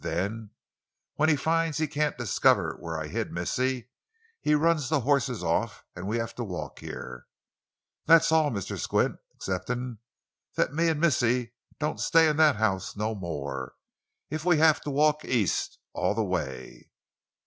Then, when he finds he can't diskiver where I hide missy he run the hosses off an' we have to walk heah. That's all, Mr. Squint, 'ceptin' that me an' missy doan stay in that house no more—if we have to walk East—all the way!"